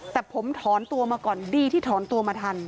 แต่ผมถอนตัวมาก่อนดีที่ถอนตัวมาทัน